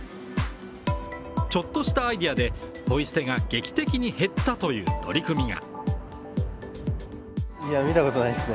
ちょっとしたアイデアでポイ捨てが劇的に減ったという取り組みが。